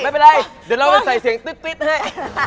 ไม่เป็นไรเดี๋ยวเราก็ใส่เสียงตึ๊ดให้